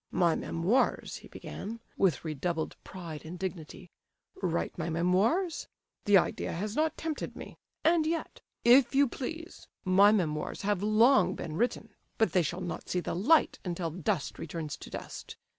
"My memoirs!" he began, with redoubled pride and dignity. "Write my memoirs? The idea has not tempted me. And yet, if you please, my memoirs have long been written, but they shall not see the light until dust returns to dust.